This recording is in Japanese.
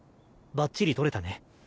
ばっちり撮れたね。